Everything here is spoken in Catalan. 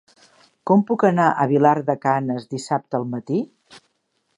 Com puc anar a Vilar de Canes dissabte al matí?